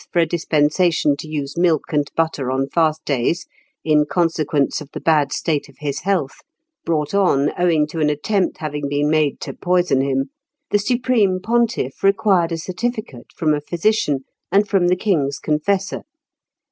for a dispensation to use milk and butter on fast days, in consequence of the bad state of his health, brought on owing to an attempt having been made to poison him, the supreme Pontiff required a certificate from a physician and from the King's confessor.